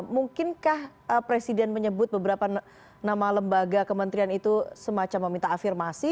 mungkinkah presiden menyebut beberapa nama lembaga kementerian itu semacam meminta afirmasi